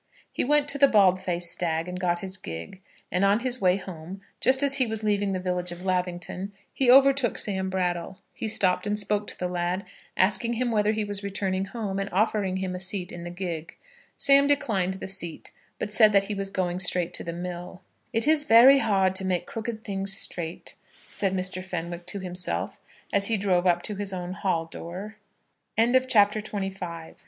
He went to the Bald faced Stag and got his gig; and on his way home, just as he was leaving the village of Lavington, he overtook Sam Brattle. He stopped and spoke to the lad, asking him whether he was returning home, and offering him a seat in the gig. Sam declined the seat, but said that he was going straight to the mill. "It is very hard to make crooked things straight," said Mr. Fenwick to himself as he drove up to his own hall door. CHAPTER XXVI. THE TURNOVER CORRESPONDENCE.